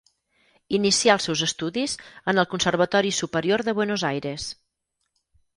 Inicià els seus estudis en el Conservatori Superior de Buenos Aires.